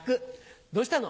どうしたの？